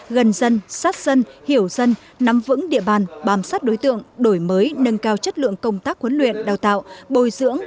gần dân sát dân hiểu dân nắm vững địa bàn bám sát đối tượng đổi mới nâng cao chất lượng công tác huấn luyện đào tạo bồi dưỡng